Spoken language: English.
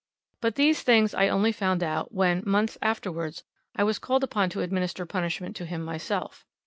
But these things I only found out, when, months afterwards, I was called upon to administer punishment to him myself.